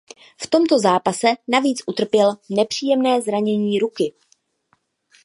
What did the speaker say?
V tomto zápase navíc utrpěl nepříjemné zranění ruky.